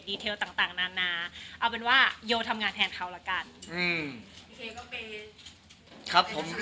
พี่เคยก็เป็นสายทำงาน